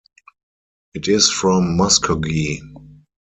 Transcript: It is from Muskogee.